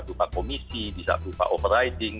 tukar komisi bisa berupa overriding